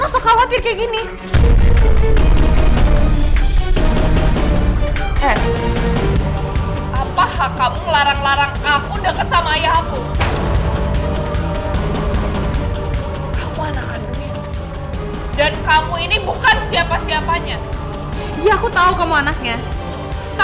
salah kamu tuh banyak tau gak